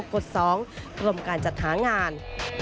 กรมการจัดหางาน